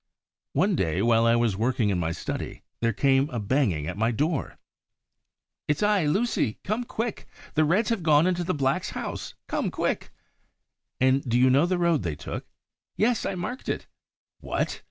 One day, while I was working in my study, there came a banging at my door. "It's I, Lucie! Come quick: the Reds have gone into the Blacks' house. Come quick!" "And do you know the road they took?" "Yes, I marked it." "What!